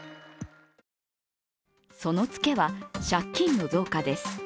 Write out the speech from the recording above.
そのツケは借金の増加です。